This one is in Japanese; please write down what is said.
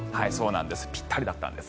ぴったりだったんです。